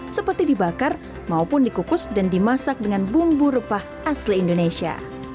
seperti dibakar maupun dikukus dan dimasak dengan bumbu rempah asli indonesia